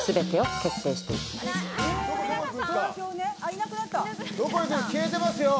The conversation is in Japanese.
消えてますよ。